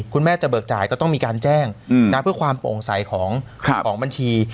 คุณแม่จะเบิกจ่ายก็ต้องมีการแจ้งเพื่อความโปร่งใสของบัญชี